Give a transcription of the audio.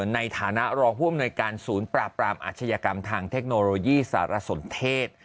ในฐานะรองผู้อำนวยการศูนย์ปราบปรามอาชญากรรมทางเทคโนโลยีสารสนเทศ